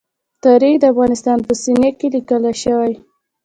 تاریخ د وطن په سینې کې لیکل شوی.